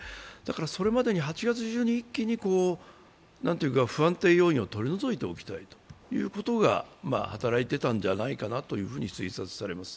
それまで８月中に一気に不安定要因を取り除いておきたいという考えが働いていたんじゃないかなと推察されます。